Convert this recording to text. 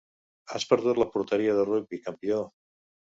Has perdut la porteria de rugbi, campió.